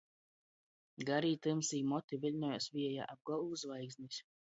Garī, tymsī moti viļņojās viejā, ap golvu zvaigznis.